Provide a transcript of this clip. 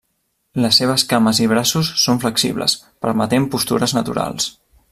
Les seves cames i braços són flexibles, permetent postures naturals.